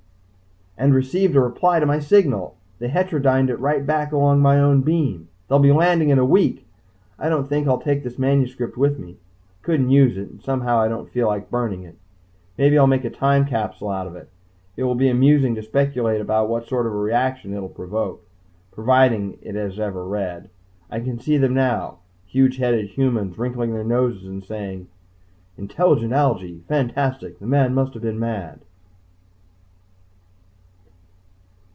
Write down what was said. and received a reply to my signal! They heterodyned it right back along my own beam. They'll be landing in a week. I don't think I'll take this manuscript with me. I couldn't use it and somehow I don't feel like burning it. Maybe I'll make a time capsule out of it. It will be amusing to speculate about what sort of a reaction it'll provoke, providing it is ever read. I can see them now, huge headed humans, wrinkling their noses and saying "Intelligent algae fantastic the man must have been mad!"